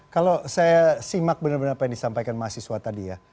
kalau saya simak benar benar apa yang disampaikan mahasiswa tadi ya